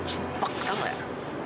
sempek tahu nggak